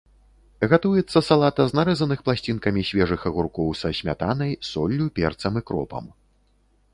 Гатуецца салата з нарэзаных пласцінкамі свежых агуркоў са смятанай, соллю, перцам і кропам.